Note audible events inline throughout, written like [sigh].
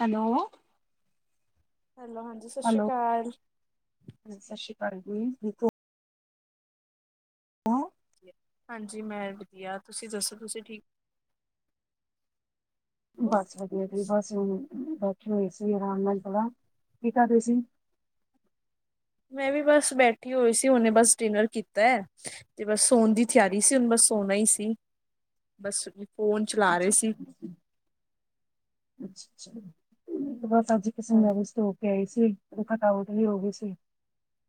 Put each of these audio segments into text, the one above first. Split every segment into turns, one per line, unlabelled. Hello
hello ਹਾਂਜੀ ਸਤਿ ਸ਼੍ਰੀ
ਹੈਲੋ
ਅਕਾਲ
ਹਾਂਜੀ, ਕਿਥੇ [inaudible]
ਹਾਂਜੀ ਮੈਂ ਵਧੀਆ ਤੁਸੀਂ ਦੱਸੋ ਤੁਸੀਂ ਠੀਕ ਹੋ?
ਬਸ ਵਧੀਆ ਤੇ ਬਸ ਹੁਣ ਕੀ ਕਰਦੇ ਸੀ
ਮੈਂ ਵੀ ਬਸ ਬੈਠੀ ਹੋਈ ਸੀ। ਉਹਨੇ ਬਸ ਡਿਨਰ ਕੀਤਾ ਹੈ ਤੇ ਬਸ ਸੋਣ ਦੀ ਤਿਆਰੀ ਸੀ, ਹੁਨ ਬਸ ਸੋਨਾ ਹੀ ਸੀ ਬਸ ਫੋਨ ਚਲਾ ਰਹੇ ਸੀ।
ਅੱਛਾ-ਅੱਛਾ ਚਲੋ ਠੀਕ
ਹਾਂਜੀ
ਬਸ [unintelligible] ਥਕਾਵਟ ਹੋ ਗਈ ਸੀ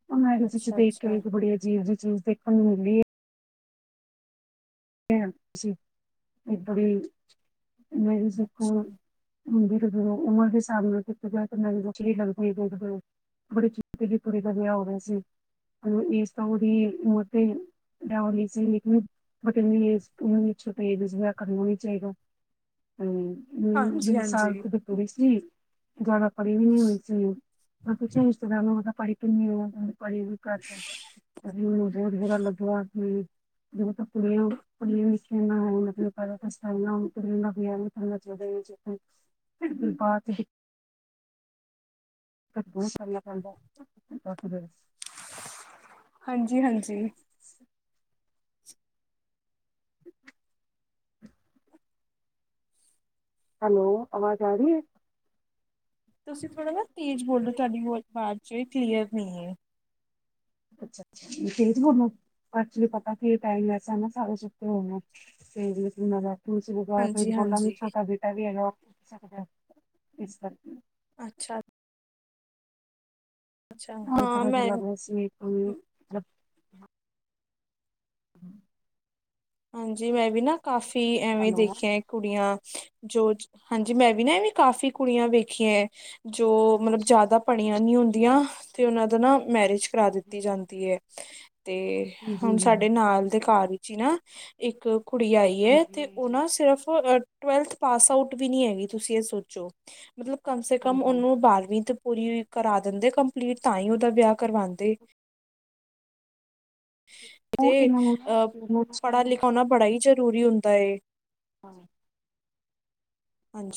ਉਹ ਚ
ਅੱਛਾ
ਦੇਖ ਕੇ
ਅੱਛਾ
ਇੱਕ ਬੜੀਆ ਜੀ ਚੀਜ ਦੇ ਹੂੰ [unintelligible] ਮਿਊਜ਼ਿਕ
ਅੱਛਾ
ਹੁੰਦੀ ਉਮਰ ਦੇ ਹਿਸਾਬ ਨਾਲ ਲਗ ਬੜੇ ਚ ਦੀ ਕੁੜੀ ਦਾ ਵਿਆਹ ਹੋ ਰਿਹਾ ਸੀ ਤਾਂ ਉਹਦੀ ਉਮਰ ਤੇ ਸਹੀ ਸੀ ਲੇਕਿਨ ਬਟ ਉਮਰ ਵਿੱਚੋਂ ਹੋਣੀ ਚਾਹੀਦਾ ਹਮ ਨੀ
ਹਾਂਜੀ
ਵੀਹ ਸਾਲ
ਹਾਂਜੀ
ਦੀ ਕੁੜੀ ਸੀ ਜ਼ਿਆਦਾ ਪੜ੍ਹੀ ਵੀ ਨੀ ਹੋਈ ਸੀ, ਰਿਸ਼ਤੇਦਾਰ ਨੂੰਹਾਂ ਪੜ੍ਹ ਕਿ ਕਿੰਨੇ ਏਜ ਵੀ ਘੱਟ ਐ ਆਪ ਜੇ ਕੁੜੀਆ ਭੱਲ ਵੀਖਨਾ ਹੈ ਮਤਲ ਪ ਵਿਆ ਮ ਚ ਜ ਬਾਅਦ [unintelligible]
ਹਾਂਜੀ ਹਾਂਜੀ।
ਹੈਲੋ, ਅਵਾਜ਼ ਆ ਰੀ ਏ?
ਤੁਸੀਂ ਥੋੜਾ ਨਾ ਤੇਜ਼ ਬੋਲੋ ਤੁਹਾਡੀ ਵਾਜ ਚ ਕਲੀਅਰ ਨੀ ਏ।
ਅੱਛਾ ਅੱਛਾ, ਸਵੇਰੇ ਜੇਨੀ ਔੜਣਾ ਅ ਐਕਚੁਲੀ ਪਤਾ ਕੀ ਏ, ਟਾਈਮ ਐਸਾ ਏਨਾ ਸਾਰੇ ਸੁਤੇ ਹੋਏ ਨੇ ਤੇ ਵੀਕ ਵੀ ਔਣ ਐ। ਤੁਸੀ ਵੀ ਗਾ
ਹਾਂਜੀ
ਫੇਰ ਬੋਲਾਗੀ
ਹਾਂਜੀ
ਛੋਟਾ ਬੇਟਾ ਵੀ ਹੈਗਾ। ਸਕਦੈ, ਇਸ ਕਰਕੇ।
ਅੱਛਾ। ਅੱਛਾ
ਹੋਣ
ਹਾਂ
ਭਰਣ
ਮੈਂ
ਲਗ ਵੈਸੀ ਤਲਬ ਹੂੰ।
ਹਾਂਜੀ ਮੈਂ ਵੀ ਨਾ ਕਾਫ ਵੀ ਐਵੇਂ
ਹੈਲੋ
ਦੇਖੀਆਂ ਏ ਕੁੜੀਆਂ। ਜੋ ਹਾਂਜੀ। ਮੈਂ ਵੀ ਨਾ ਐਵੇਂ ਕਾਫ਼ੀ ਕੁੜੀਆਂ ਵੇਖੀਐ। ਜੋ ਮਤਲਬ ਜੈਦਾ ਪੜੀਆਂ ਨੀ ਹੁੰਦੀਆਂ। ਤੇ ਉਨ੍ਹਾਂ ਦੇ ਨਾ ਮੈਰਿਜ ਕਰਾ ਦਿੱਤੀ ਜਾਂਦੀ ਐ। ਤੇ
ਜੀ ਜੀ
ਹੁਣ ਸਾਡੇ ਨਾਲ ਦੇ
ਹਾਂਜੀ
ਘਰ ਵਿੱਚ ਈ ਨਾ ਇੱਕ ਕੁੜੀ ਆਈ ਏ ਤੇ ਔ
ਹਾਂਜੀ
ਨਾ ਸਿਰਫ ਅ ਟਵੈਲਥ ਪਾਸ ਆਊਟ ਵੀ ਨੀ ਹੈਗੀ ਤੁਸੀਂ ਐ ਸੋਚੋ। ਮਤਲਬ ਕਮ ਸੇ ਕਮ
ਹਾਂਜੀ
ਔਨੂੰ ਬਾਰਵੀਂ ਤ ਪੂਰੀ ਵੀ ਕਰਾ ਦਿੰਦੇ ਕੰਪਲੀਟ ਤਾਂ ਈ ਔਦਾ ਵਿਆ ਕਰਵਾਂਦੇ। ਤੇ
ਉਹ ਇਹਨਾਂ ਨੂੰ
ਅਹ
ਇਹਨਾਂ
ਪੜ੍ਹਾ ਲਿਖਾ ਹੋਣਾ ਬੜਾ ਈ ਜ਼ਰੂਰੀ ਹੁੰਦਾ ਏ।
ਹਾਂਜ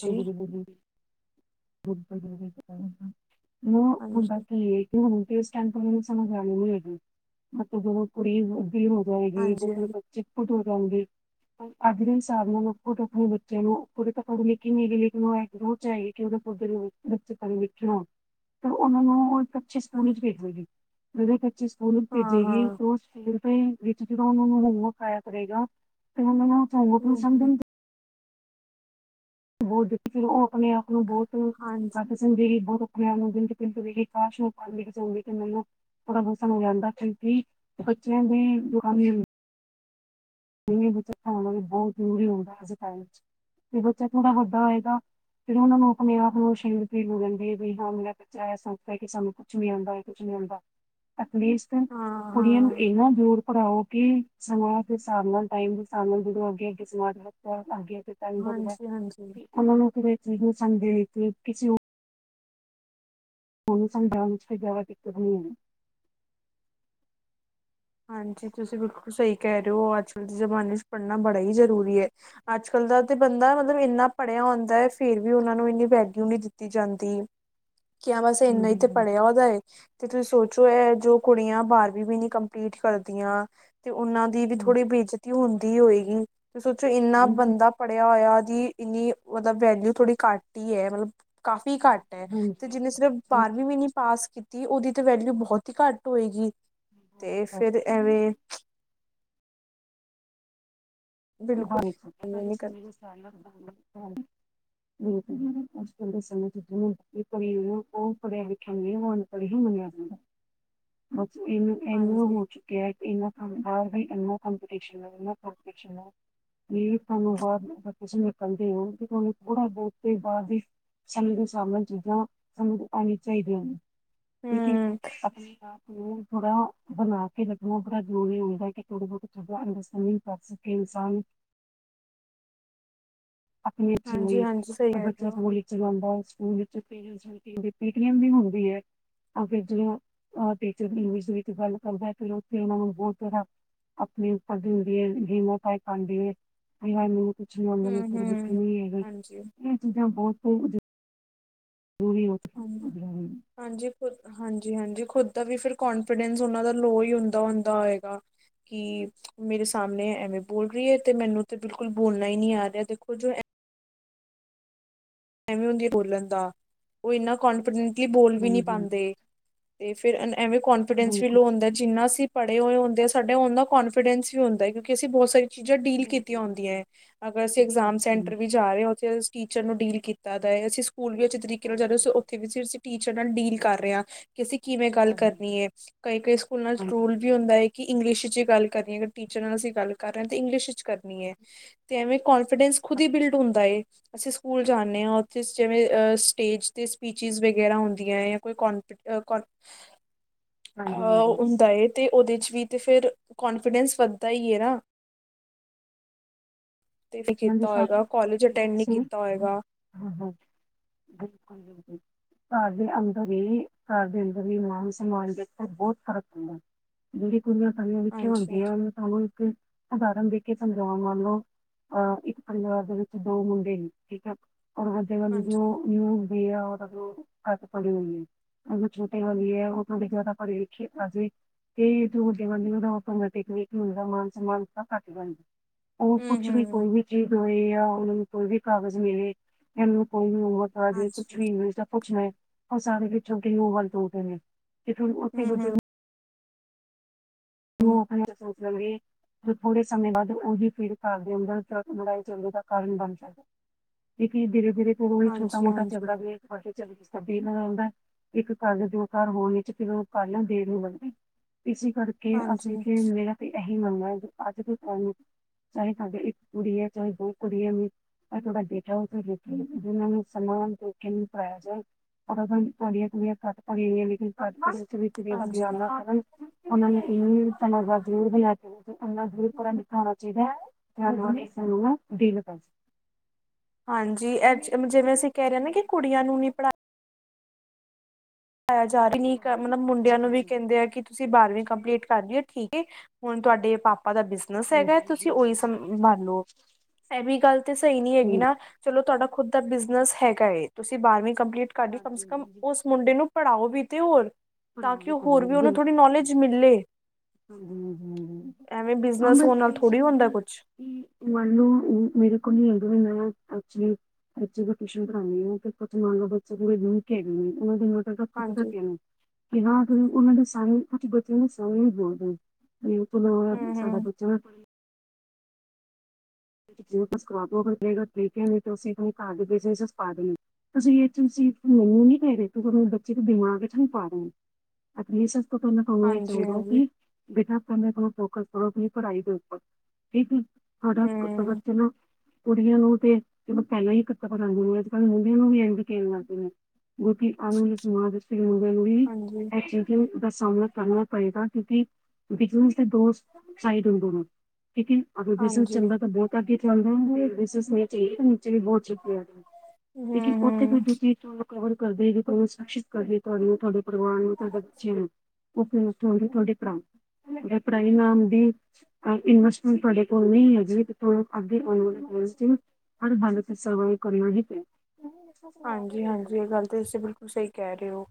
ਹਾਂਜੀ, ਬੀਬੀ ਜੀ। ਬੁ ਕੋਈ ਗਲ ਨੀ [unintelligible] ਪਤਾ ਨੀ ਮ ਹੁੰਦਾ
ਹਾਂਜੀ,
ਕੀ ਏ ਕਿਓਂ ਫੇਸ ਸਕੈਨ [unintelligible] ਹੋਣ ਨੀ ਹੈਗੀ, ਮ [unintelligible] ਦੋ ਕੁੜੀ ਦੀ ਹੋ ਜਾਏਗੀ
ਹਾਂਜੀ,
ਗੋਕਲ
ਹਾਂਜੀ,
ਪਚੀ ਕੁਟੂ ਜਾਂਗੀ ਅਗ੍ਰਿਮ ਸਾਰਨਾ ਨਾ ਔ ਤੋਂ ਅਪਣੇ ਬੱਚੇ ਨੂੰ ਖੁਦ ਤਾਂ ਪੜ ਲਿਖ ਕਿ ਨੀ ਗੀ ਲਿਖਣਾ ਹੈ। ਰੋਜ ਜਾਏਗੀ ਕਿ ਉਦੇ [unintelligible] ਲਿਖਿਆ ਤੇ ਔਨਾਂ ਨੂੰ ਔ ਅੱਛੇ ਸਕੂਲ ਚ ਭੇਜਾਗੀ। ਦੇਂਦੇ ਪੱਚੀਸ ਔਨੂੰ ਭੇਜੇਗੀ
ਹਾਂ-ਹਾਂ,
ਔ ਸਕੂਲ। ਵਿੱਚ ਜਾ ਉਹਨਾਂ ਨੂੰ ਹੋਮਵਰਕ ਕਰਇਆ ਕਰੇਗਾ ਤੇ ਉਹਨਾਂ ਨੂੰ ਚਾਹੇ ਹੁਕਮ
ਹੂੰ-ਹੂੰ,
ਸਮਝਣ। ਬਹੁਤ ਦੇ ਫਿਰ ਉਹ ਆਪਣੇ ਆਪ ਨੂੰ ਬਹੁਤ ਤੂੰ
ਹਾਂਜੀ,
ਘੱਟ ਸਿਲ ਦੇ ਗੀ ਬਹੁਤ ਆਪ ਨੂੰ ਦੀ ਪਿੰਤ ਵੇਖ ਕਾਸ਼ ਓਹ ਪਲ ਮੇਰੇ ਸਾਹਮਣੇ ਜਾਉਗੀ ਤੇ ਮੈਨੂੰ ਥੋੜਾ ਬਹੁਤ ਸਮਝ ਆਉਂਦਾ ਕਿਉਂਕਿ ਬੱਚਿਆਂ ਦੇ ਦੁਕਾਨ ਨਹੀਂ ਬੱਚਾਣਾ ਬਹੁਤ ਜਰੂਰੀ ਹੋ ਗਿਆ ਅੱਜ ਦੇ ਟਾਈਮ 'ਚ ਤੇ ਬੱਚਾ ਥੋੜਾ ਵੱਡਾ ਹੋ ਜਾਏਗਾ, ਫਿਰ ਉਹਨਾਂ ਨੂੰ ਆਪਣੇ ਆਪ ਨੂੰ ਸ਼ੇਮ ਫ਼ੀਲ ਹੋ ਜਾਂਦੀ ਹੈ, ਕਿ ਹਾਂ ਮੇਰਾ ਬੱਚਾ ਇਹ ਸਮਝਦਾ ਕਿ ਸਾਨੂੰ ਕੁਛ ਨੀ ਆਉਂਦਾ, ਕੁਛ ਨੀ ਆਉਂਦਾ। ਪੁਲਿਸ ਤੋਂ ਕੁੜੀਆਂ ਨੂੰ
ਹਾਂ-ਹਾਂ,
ਇਨ੍ਹਾਂ ਦੂਰ ਪੜ੍ਹਾਓ ਕੀ ਸਮਾਂ ਸਮਾਜ ਨਾਲ਼ ਟਾਈਮ ਹਿਸਾਬ ਨਾਲ਼ ਅੱਗੇ ਅੱਗੇ ਸਮਾਜ ਬਹੁੱਤ ਅੱਗੇ ਤੇ ਟਾਈਮ ਬਹੁੱਤ
ਹਾਂਜੀ-ਹਾਂਜੀ। ਹਾਂਜੀ, ਹਾਂਜੀ
ਵੀ ਉਹਨਾਂ ਨੂੰ ਕਿਵੇ ਜੀ ਉਹ ਸੰਗ ਗਏ ਕੀ ਕਿਸੇ ਹੋਰ ਉਹਨੂੰ ਸਮਝਾਉਣ ਵਿੱਚ ਫਿਰ ਜ਼ਿਆਵਾ ਦਿੱਕਤ ਹੋਈਆਂ ਹੋਣੀਆਂ।
ਹਾਂਜੀ ਤੁਸੀਂ ਬਿਲਕੁਲ ਸਹੀ ਕਹਿ ਰਹੇ ਹੋ, ਅੱਜ ਕੱਲ੍ਹ ਦੇ ਜ਼ਮਾਨੇ ਚ ਪੜ੍ਹਨਾ ਬੜਾ ਹੀ ਜ਼ਰੂਰੀ ਹੈ, ਅੱਜ ਕੱਲ੍ਹ ਦਾ ਤਾਂ ਬੰਦਾ ਮਤਲਬ ਇੰਨਾ ਪੜ੍ਹਿਆ ਹੁੰਦਾ ਹੈ, ਫ਼ੇਰ ਵੀ ਉਹਨਾਂ ਨੂੰ ਇੰਨੀ ਵੈਲਿਊ ਨਹੀਂ ਦਿੱਤੀ ਜਾਂਦੀ। ਕਿ ਆ ਬਸ
ਹਮ
ਇੰਨਾ ਹੀ
ਹਮ
ਤੇ
ਹਮ
ਪੜ੍ਹਿਆ ਉਹਦਾ ਏ ਤੇ ਤੁਸੀਂ ਸੋਚੋ ਇਹ ਜੋ ਕੁੜੀਆਂ ਬਾਹਰਵੀ ਵੀ ਨੀ ਕੰਮ ਪੀਠ ਕਰਦੀਆਂ ਤੇ ਉਹਨਾਂ ਦੀ ਵੀ ਥੋੜ੍ਹੀ ਬੇਇਜ਼ਤੀ ਹੁੰਦ ਦੀ ਹੋਵੇਗੀ। ਤੇ ਸੋਚੋ ਇੰਨਾ
ਹਮ
ਬੰਦਾ ਪੜ੍ਹਿਆ ਹੋਇਆ ਜੀ। ਇੰਨੀ ਮਤਲਬ ਵੈਲਿਊ ਥੋੜੀ ਘੱਟ ਹੀ ਈ ਹੈ ਮਤਲਬ। ਕਾਫ਼ੀ ਘੱਟ ਹੈ ਤੇ
ਹਾਂਜੀ
ਜਿਹਨੇ ਸਿਰਫ ਬਾਰਵੀਂ ਵੀ ਨੀ ਪਾਸ ਕੀਤ ਉਹਦੀ ਤਾਂ ਵੈਲਿਊ ਬਹੁਤ ਹੀ ਘੱਟ ਹੋਏਗੀ। ਤੇ ਫਿਰ
ਹਾਂਜੀ।
ਐਵੇਂ ਬਿਲਕੁਲ
[unintelligible] ਬਿਲਕੁੱਲ ਅੱਜ ਕੱਲ੍ਹ ਦਾ
ਨੀ ਕਰ
ਸਮਾਂ ਉਹ ਪੜਿਆ ਵੇਖਿਆ ਉਹਨੂੰ ਅਨਪੜ੍ਹ ਹੀ ਮੰਨਿਆ ਜਾਂਦਾ। ਇਹਨੂੰ ਇਹਨੂੰ ਹੋ
ਹਾਂਜੀ
ਚੁੱਕਿਆ। ਇਨ੍ਹਾਂ ਕੰਮ ਕਾਰ ਜੀ ਇਨ੍ਹਾਂ ਕਪਟੀਸ਼ਸ਼ਨ ਹੈ, ਇਨ੍ਹਾਂ ਕਪਟੀਸ਼ਨ ਹੈ। ਵੀ ਤੁਹਾਨੂੰ ਬਾਅਦ ਵਾਪਿਸ ਨਿਕਲਦੇ ਹੋ, ਤੇ ਤੁਹਾਨੂੰ ਥੋੜਾ ਬਹੁਤ ਤੇ ਬਾਅਦ ਹੀ ਸਮੇਂ ਦੇ ਹਿਸਾਬ ਨਾਲ਼ ਚੀਜ਼ਾਂ ਆਣੀਆਂ ਚਾਹੀਦੀਆਂ ਨੇ। ਹੋਰ ਕੀ
ਹਮ
ਆਪਣੀ ਹਾਂ। ਤੇ ਥੋੜਾ ਬਣਾ ਕੇ ਲੱਗਣਾ ਬੜਾ ਜ਼ਰੂਰੀ ਹੁੰਦਾ, ਕਿ ਥੋੜਾ ਬਹੁਤ ਜਿਆਦਾ ਅੰਡਸਟੈਂਡਿੰਗ ਕਰ ਸਕੇ ਇਨਸਾਨ। ਆਪਣੀ ਅੱਛੀ
ਹਾਂਜੀ
ਹੋਈ
ਹਾਂਜੀ ਸਹੀ
ਅਗਰ
ਕਹਿ ਰਹੇ
ਬੱਚਾ
ਹੋ
ਸਕੂਲ ਵਿੱਚ ਜਾਦਾਂ। ਸਕੂਲ ਵਿੱਚ parents meeting P T M ਵੀ ਹੁੰਦੀ ਹੈ, ਅੱਗੇ ਜੀ ਹਾਂ ਅ ਟੀਚਰ ਇੰਗਲਿਸ਼ ਵਿੱਚ ਗੱਲ ਕਰਦਾ ਹੈ, ਤੇ ਉਥੇ ਉਹਨਾ ਨੂੰ ਬਹੁਤ ਜ਼ ਆਪਣੇ ਪੜ੍ਹਦੀ ਹੁੰਦੀ ਹੈ [unintelligible] ਕੁਛ ਲਿਆਉਣ ਵਾਲੇ।
ਹਮ
ਮੈਂ ਤੇ ਵੇਖੇ
ਹਮ
ਨੀ ਹੈਗਾ
ਹਾਂਜੀ
ਇਹ ਚੀਜ਼ਾਂ ਬਹੁਤ [unintelligible] ਦੂਰੀ [unintelligible]
ਹਾਂਜੀ-ਹਾਂਜੀ ਖੁਦ ਦਾ ਵੀ ਫਿਰ ਕਨਫੀਡੈਂਸ ਉਹਨਾਂ ਦਾ ਲੋਅ ਹੀ ਹੁੰਦਾ ਹੁੰਦਾ ਹੋਏਗਾ ਕਿ ਮੇਰੇ ਸਾਹਮਣੇ ਐਵੇਂ ਬੋਲ ਰਹੀ ਹੈ ਤੇ ਮੈਨੂੰ ਤੇ ਬਿਲਕੁਲ ਬੋਲਣਾ ਹੀ ਨਹੀਂ ਆ ਰਿਹਾ ਦੇਖੋ ਜੋ [unintelligible] ਐਵੇ ਹੁੰਦੀ ਬੋਲਣ ਦਾ ਉਹ ਇੰਨਾ ਕਾਨਫੀਡੈਂਟ ਬੋਲ ਵੀ ਨੀ
ਹਾਂਜੀ ਹਾਂਜੀ,
ਪਾਉਂਦੇ ਤੇ ਫਿਰ ਅਨ ਐਵੇਂ ਕੋਂਨਫੀਡੈਂਸ ਵੀ
ਬਿਲਕੁਲ
ਲੋ ਹੁਂਦਾ ਜਿੰਨਾ ਅਸੀਂ ਪੜੇ ਹੋਏ ਹੁੰਦੇ ਸੈ ਉਹਨਾਂਦਾ ਕੋਂਫੀਡੈਂਸ ਵੀ ਹੁੰਦਾ ਕਿਉਂਕਿ ਅਸੀਂ ਬਹੁਤ ਸਾਰੀ ਚੀਜ਼ਾਂ ਡੀਲ
ਬਿਲਕੁਲ
ਕੀਤੀਆਂ ਹੁੰਦੀਆਂ
ਬਿਲਕੁਲ
ਹੈ ਅਗਰ ਅਸੀਂ ਇਗਜ਼ਾਮ
ਬਿਲਕੁਲ
ਸੈਂਟਰ
ਹਾਂਜੀ
ਵੀ ਜਾ ਰਹੇ ਹਾਂ ਉੱਥੇ ਟੀਚਰ ਨੂੰ ਡੀਲ ਕੀਤੀ ਦ ਦਾਅ਼ਯਾ ਸ ਸਕੂਲ ਵੀ ਅੱਛੇ ਤਰੀਕੇ ਨਾਲ
ਹਾਂਜੀ
ਜਾਂਦੇ
ਹਾਂਜੀ
ਸੀ ਉੱਥੇ ਵੀ ਸਿਰਫ ਅਸੀਂ ਟੀਚ ਨਾਲ ਡੀਲ ਕਰ ਰਿਹਾ ਕਿ ਅਸੀਂ ਕਿਵੇਂ ਗੱਲ
ਹਾਂਜੀ ਹਾਂਜੀ
ਕਰਨੀ ਹੈ। ਕਈ-ਕਈ ਸਕੂਲਾਂ ਨਾਲ ਰੂਲ ਵੀ ਹੁੰਦਾ ਹੈ ਕਿ ਇੰਗਲਿਸ਼ ਚ ਗੱਲ ਕਰੀਏ ਅਗਰ ਟੀਚਰ ਨਾਲ ਅਸੀਂ ਗੱਲ ਕਰ ਰਹੇਂ ਤਾਂ ਇੰਗਲਿਸ਼ ਵਿੱਚ ਕਰਨੀ ਹੈ ਤੇ ਐਵੇਂ ਕੋਂਨਫੀਡੈਂਸ ਖੁਦ ਹੀ
ਹਾਂਜੀ
ਬਿਲਡ ਹੁੰਦਾਏ ਅਸੀਂ ਸਕੂਲ ਨੇ ਹਾਂ ਉੱਥੇ ਸਿਵੇਂ ਸਟੇਜ ਤੇ ਸਪੀਚੀਜ਼ ਵਗੈਰਾ ਹੁੰਦੀਆਂ ਹੈ। ਕੋਨ ਅ ਕੋਨ
ਹਾਂਜੀ
ਅਹ ਹੁੰਦਾ
ਹਾਂਜੀ
ਏ ਤੇ ਉਹਦੇ ਚ ਵੀ ਤੇ ਫਿਰ ਕਾਨਫੀਡੈਂਸ ਵੱਧਦਾ ਹੀ ਹੈ ਨਾ ਤੇ ਵੀ ਕੀਤਾ ਹੋਏਗਾ ਕੋਲਜ ਅਟੈਂਡ
ਕੋਨਫੀਡੈਂਸ
ਨਹੀਂ
ਸੀ
ਕੀਤਾ ਹੋਏਗਾ
ਬਿਲਕੁਲ-ਬਿਲਕੁਲ ਘਰ ਦੇ ਅੰਦਰ ਵੀ ਘਰ ਦੇ ਅੰਦਰ ਵੀ ਮਾਨ ਸਮਾਨ ਦੇ ਉ ਬਹੁਤ ਫ਼ਰਕ ਹੁੰਦਾ ਪੂਰੀਆਂ ਸਮੀਆਂ ਵਿੱਚੇ
ਹਾਂਜੀ ਹਾਂਜੀ
ਹੁੰਦੀਆਂ ਸਾਨੂੰ ਇੱਕ ਉਦਾਹਰਨ ਦੇ ਕੇ ਸਮਝਾਵਾਂ ਬੋਲੋ ਅਹ ਇੱਕ ਪਰਿਵਾਰ ਦੇ ਵਿੱਚ ਦੋ ਮੁੰਡੇ ਨੇ ਠੀਕ ਹੈ ਵੱਡੇ ਕਾ
ਹਾਂਜੀ
[unintelligible] ਉਹ ਘੱਟ ਪੜ੍ਹੀ ਹੋਈ ਹੈ ਉਹ ਛੋਟੇ ਵਾਲੀ ਹੈ ਉਹ ਥੋੜਾ ਜਿਆਦਾ ਪੜੀ ਲਿਖੇ ਆਜਵੇ ਤੇ ਵੱਡੇ ਦਾ ਮ ਟਿਕ ਹਦਾ ਮਾਨ ਮਮਾਨ ਘੱਟ ਬਣਦਾ
ਹੂੰ
ਕੁਛ ਵੀ
ਹੂੰ
ਕੋਈ ਵੀ ਚੀਜ਼ ਦੋਏ ਆ ਉਹਨਾਂ ਨੂੰ ਕੋਈ ਵੀ ਕਾਗਜ਼ ਮਿਲੇ ਇਹਨੂੰ ਕੋ ਜੇ ਕੁਛ
ਹਾਂਜੀ
ਵੀ ਸਭ ਕੁੱਛ ਮੈਂ ਉਹ ਸਾਰੇ ਪਿਛੋਂ ਗਊ ਵੱਲ ਕਤਦੇ
ਹੂੰ ਹੂੰ
ਨੇ [unintelligible] [inaudible]
ਹੂੰ,
ਥੋੜੇ ਸਮੇਂ ਬਾਅਦ ਉਹਹੀ ਪੀੜ ਘਰ ਦੇ ਅੰਦਰ ਲੜਾਈ ਚਝੱਲੇ ਦਾ ਕਾਰਨ ਬਣ ਜਾਂਦਾ ਕਿਕਿਰੇ ਵਗਰੇ ਕੋੜ
ਹਾਂਜੀ
ਛਟਾ [unintelligible]
ਹਾਂਜੀ
ਚਗੜਾ ਵੀ ਚੱਲ ਗ ਸਬ ਆਦਾ ਇੱਕ ਕੱਲ ਦਓ ਘਰ ਹੋਣ ਚ ਤੇਦ ਕੱਲ ਦੇਰ ਨੂੰ ਲੰਦੀ ਇਸ ਕਰ ਕਿ ਅਸੀਲ
ਹਾਂਜੀ
ਫ ਮੇਰਾ ਤੇ ਇਹੀ ਮੰਨਣਾ ਅੱਜ ਦੇ ਟਾਈਮ ਚਾਹੇ ਸਾਡੇ ਇੱਕ ਕੁੜੀ ਹੈ ਚਾਹੇ ਦੋ ਕੁੜੀ ਹੈ ਤੁਹਾਡਾ ਬੇਟਾ ਉਥੇ ਲ ਜਿਨਾਂ ਨੂੰ ਸਮਾਂ ਦੇ ਨੂੰ ਕਰਾਇਆ ਜਾ ਪਰ ਤੁਹਾਡੀਆਂ ਕੁੜੀਆਂ ਘੱਟ ਪਈਆਂ ਲੇਕਿਨ ਘੱਟ ਵੀ ਕਿ ਵਧੀਆ
ਹਾਂਜੀ
ਉਹਨਾਂ ਕਰਨ ਉਹ ਨੇ ਤ ਜ਼ਰੂਰ ਬਲਾ ਕੇ ਇੰਨਾ ਜ਼ਰੂਰਰਾ ਦਿੱਤਾ ਹੋਣਾ ਚਾਹੀਦਾ ਹੈ ਨਾਲ ਨੂੰ ਡਲ ਕਰ
ਹਾਂਜੀ ਅ ਜਿਵੇਂ ਅਸੀਂ ਕਹਿ ਰਹੇ ਹ ਨਾ ਕਿ ਕੁੜੀਆਂ ਨੂੰ ਨਹੀਂੀ ਪੜ੍ਹਆ ਪਾਇਆ ਜਾ ਰਹੀ ਮਤਲਬ ਮੁੰਡਿਆਂ ਨੂੰ ਵੀ
ਹਾਂਜੀ
ਕਹਿੰਦੇ ਆ ਕਿ ਤੁਸੀਂ ਬਾਰਵੀਂ ਕੰਪਲੀਟ ਕਰੀਏ ਠੀਕ ਐ ਹੁਣ ਤੁਹਾਡੇ ਪਾਪਾ ਆਪਾਂ ਦਾ ਬਿਜਨਸ ਹੈਗਾ ਤੁਸੀਂ ਉਹੀ
ਹਾਂਜੀ
ਸੰਭਨ ਲਓ ਐ ਵੀ ਗੱਲ ਤੇ ਸਹੀ ਨੀ ਹੈਗੀ ਨਾ ਚਲੋ ਤੁਹਾਡਾ ਖੁਦ ਦਾ ਬਿਜਨਸ ਹੈਗਾ ਏ ਤੁਸੀਂ ਬਾਰਵੀਂ ਕੰਪਲੀਟ ਕਰਦੀ ਕਮ ਸੇ ਕਮ
ਹਾਂਜੀ
ਉਸ ਮੁੰਡੇ ਨੂੰ ਪੜ੍ਹਾਓ ਬੀ ਤੇ ਹੋਰ
ੁ ਹ
ਤਾਂ ਕਿ ਉਹ ਹੋਰ ਵੀ ਉਹਨੂੰ ਥੋੜ੍ਹੀ
ਹ
ਨੌਲੇਜ ਮਿਲੇ ਐਵੇਂ ਬਿਜਨਸ ਹੋਣ ਨਾਲ ਥੋੜ੍ਹੀ ਹੁੰਦਾ ਕੁਛ
ਅ ਮੰਨ ਲਓ ਮੇਰੇ ਕੋਲ ਹੀ ਅਗ ਹਦਾ ਐਕਚੁਲੀ ਟਿਊਸ਼ਨ ਪੜਾਉਂ ਮੰਨ ਲਓ ਬੱਚੇ ਪੂੂੰਹ ਕੇ ਉਹ ਦੱਸ ਤੇ
ਹਾਂਜੀ
ਹਟੀਆ ਨੂੰ ਬਿਨਾਂ ਕੋ ਉਹਨਾਂ ਦੇ ਸਣੇ ਕੁ ਬਤੀ ਦੇ ਸਮ ਬੋਲਦਾ
ਹੂੰ
ਇਹਲ ਸਾਡਾ
ਹੂੰ
ਬੱਚਾ ਜਿਵੇਂਸਰਾ ਕੇ ਆਦੇ ਤੁਸੀਂ ਤੁਹਾਨੂੰ ਘਰ ਦੇ ਸਸ ਪਾ ਦੇਣੇ ਤੁਸੀਂ ਇਹ ਤੁਸੀਂ ਮੰੈਨੂੰ ਨੀ ਕਹਿ ਰਹੇ ਤਹਾਨੂੰ ਬੱਚੇ ਦੇ ਦਿਮਾਗ ਚ ਹਾਨੂੰ ਪਾ ਦੇਣਾ ਆਪ ਤੁਹਾਨੂੰ-ਤੁਹਾਨੂੰ ਇਹ
ਹਾਂਜੀ
ਚਾਹੀਦਾ
ਹਾਂਜੀ
ਕਿ ਬੇਟਾ ਫੋਕਸ ਕਰੋ ਤੁ ਪੜ੍ਹਾਈ ਦੇ ਉੱਪਰ ਠੀਕ ਐ ਹਰਾ
ਹੂੰ
[inaudible] ਕੁੜੀਆਂ ਨੂੰ ਤੇ ਚਲੋ ਪਹਿਲਾਂ ਹੀ ਕੱਤਦੇ ਅੱਜ ਕੱਲ ਮੁੰਡੀਆਂ ਨੂੰ ਵੀ ਐਂ ਕੇਣ ਲੱਗਦੇ ਨੇ ਕਿਉਂਕਿ ਆਉਣ ਵਾਲੇ ਸਮਾਜ ਮੁੰੀ
ਹਾਂਜੀ
ਐ ਚੀ ਦੱਸ ਸਾਹਮਣਾ ਕਰਨਾ ਪਏਗਾ ਕਿਉਂਕਿ ਬਿਜਨ ਤੇ ਦੋਸਤ ਸਹੀਡ ਦੋ ਨੂੰ ਲੇਕਨ ਅ ਬ
ਹਾਂਜੀ
ਚੰਗਾ ਬਹੁਤ ਅੱਗੇ ਚੱਲ ਰਗੇ ਇਸ ਸਮੇ ਚ ਇਹ ੇ ਵੀ ਬਹੁਤ ਸ਼ੁਕਰੀਆ
ਹੂੰ
ਕਿਉਂਕਿ ਉੱਥੇ ਕੋਈ
ਹੂੰ
ਦੂਜੀ ਕਵਰ ਕਰਦੇ ਤੁਹਾਨੂੰ ਸੁਰਿਤ ਕਰ ਰ ਤੁਹਾਡੂੰ ਤੁਹਾਡੇ ਪ੍ਰਵਾਨ ਤਾਂ ਤੁਹਾੇ ਪਰਾ ਪਾਈ ਨਾਮ ਇਨਵਸਟਮੈਂਟ ਤੁਹਾਡੇ ਕੋਲ ਨਹੀਂ ਹੈਗੀ [unintelligible]
ਹਾਂਜੀ ਹਾਂਜੀ ਇਹ ਗੱਲ ਤੇ ਅਸੀਂ ਬਿਲਕੁਲ ਸਹੀ ਕਹਿ ਰਹੇ ਹੋ।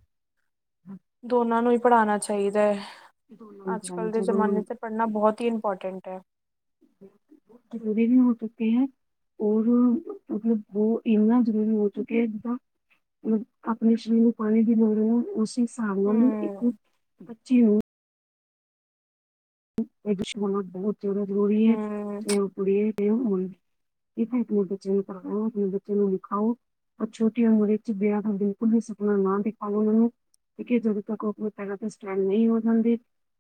ਦੋਨਾਂ ਨੂੰ ਹੀ। ਪੜ੍ਹਾਣਾ ਚਾਹੀਦਾ ਹੈ।
ਦੋਨੋਂ ਤਰ੍ਹਾਂ ਜਦੋਂ
[unintelligible]
ਬਹੁਤ ਜ਼ਰੂਰੀ ਵੀ ਹੋ ਚੁੱਕੇ ਹੈ। ਔਰ ਮਤਲਬ ਬਹੁ ਇੰਨਾ ਜ਼ਰੂਰੀ ਹੋ ਚੁੱਕਿਆ ਹੈ। ਜਿੱਦਾਂ ਮਤਲਬ ਆਪਣੇ ਸਰੀਰ ਨੂੰ ਪਾਣੀ ਦੀ ਲੋੜ ਹੈ ਉਸ ਸ ਇੱਕ
ਹੂੰ
ਬੱਚੀ ਉਹ ਇਹਛ ਮ ਬਹੁ ਚੜ ਗੋੜੀਏ
ਹੂੰ
ਇਹ ਉ ਪੁੜੀਏ ਹੋ ਇਹ ਤਾਂ ਆਪਣੇ ਬੱਚੇ ਨੂੰ ਤਓ ਆਪਣੇ ਬੱਚੇ ਨੂੰ ਵਿਖਾਓ ਪਰ ਛੋਟੀ ਉਮਰ ਵਿੱਚ ਵਿਆਹ ਦਾ ਬਿਲਕੁਲ ਵੀ ਸੁਪਨਾ ਨਾ ਦਿਖਾਓ ਉਹਨਾਂ ਨੂੰ ਕਿਉਕਿ ਜਦੋਂ ਤੱਕ ਉਹ ਆਪਣੇ ਪੈਰਾਂ ਤੇ ਸਟੈਂਡ ਨਹੀਂ ਹੋ ਜਾਂਦੇ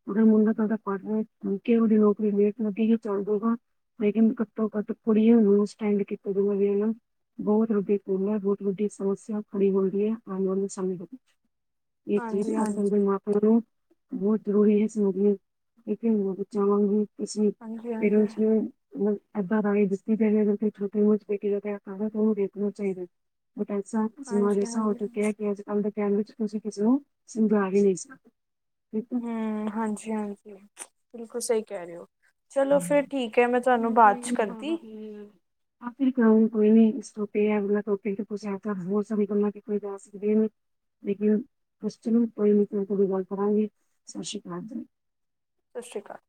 ਉਹ ਮੁੰਡਾ ਤਾਂੱਕ ਪਰ ਉਹਦੀ ਨਰੀ ਮੇਟ ਲੱਗੀ ਹੀ ਚੱਲ ਦਊਗਾ ਮ ਕਹਿੰ ਘੱਟੋ ਘੱਟ ਕੁੜੀ ਨੂੰ ਸਟੈਂਡ ਤੇ ਬਹੁਤ ਰੁਗੇ ਕੋਲ ਰੋਜ਼ ਵੋਟੀ ਸਮੱਸਿਆ ਖੜੀ ਹੋਦੀ ਹੈ ਆਉਣ ਵਾਲੇ ਸਮੇਂ ਦੇ ਵਿੱਚ
ਹਾਂਜੀ ਹਾਂਜੀ
[unintelligible] ਬਹੁਤ ਰਰੋਹੀ ਹੈ ਸਗ ਇਹਥੇ ਬ ਚਮਾਂਗੀ ਇਸਸੀ
ਹਾਂਜੀ ਹਾਂਜੀ
ਪਰੈਂਟਸ ਨੂੰ ਮ ਏਦਾਂ ਰਾਹੀਂ ਦਤੀ ਪੈ ਛੋਟੇ ਉਹ ਚ ਬੈ ਕੇ ਕਰਦਾ ਉਹਨੂੰ ਵੇਖਣਾ ਚਾਹੀਦਾ [unintelligible]
ਹਾਂਜੀ
ਹੋ
ਹਾਂਜੀ
ਚੁੱਕਿਆ ਕਿ ਅੱਜ ਕੱਲ ਦਾ [unintelligible] ਠੀਕ ਹੈ।
ਹੂੰ ਹਾਂਜੀ ਹਾਂਜੀ। ਬਿਲਕੁਲ ਸਹੀ ਕਹਿ ਰਹੇ ਹੋ ਚਲੋ
ਕੋ
ਫਿਰ ਠੀਕ ਹੈ
ਆਖਿਰ
ਮੈਂ ਤੁਹਾਨੂੰ
[unintelligible]
ਬਾਅਦ
ਕੋਈ
ਚ ਕਰਦੀ
ਨੀ [unintelligible] ਲੇਕਿਨ ਕੁ ਕੋਈ ਕੋ ਵੀ ਗੱਲ ਕਰਾਂਗੀ ਸਤਿ ਸ਼੍ਰੀ ਅਕਾਲ
ਸਤਿ ਸ਼੍ਰੀ ਅਕਾਲ